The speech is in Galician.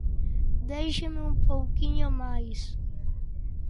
Déixeme un pouquiño máis.